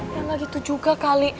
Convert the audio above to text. ya nggak gitu juga kali